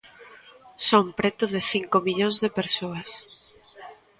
Son preto de cinco millóns de persoas.